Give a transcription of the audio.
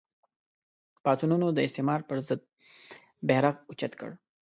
پاڅونونو د استعمار پر ضد بېرغ اوچت کړ